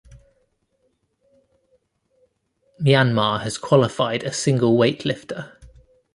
Myanmar has qualified a single weightlifter.